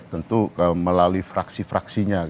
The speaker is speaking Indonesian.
tentu melalui fraksi fraksinya